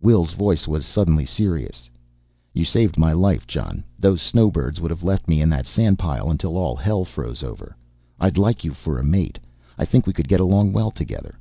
Wil's voice was suddenly serious. "You saved my life, Jon those snowbirds would have left me in that sandpile until all hell froze over. I'd like you for a mate, I think we could get along well together."